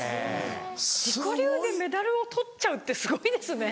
自己流でメダルを取っちゃうってすごいですね。